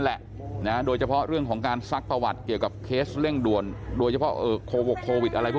แหละนะโดยเฉพาะเรื่องของการซักประวัติเกี่ยวกับเคสเร่งด่วนโดยเฉพาะโควิดโควิดอะไรพวก